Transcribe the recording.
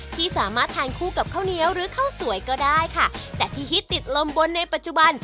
ที่สามารถทานคู่กับข้าวเหนียวหรือข้าวสวยก็ได้ค่ะแต่ที่ฮิตติดลมบนในปัจจุบัน